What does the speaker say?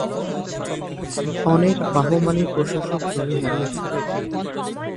অনেক বাহমানি প্রশাসক জমি হারিয়েছিলেন।